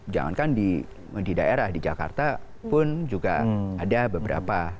dan kan di daerah di jakarta pun juga ada beberapa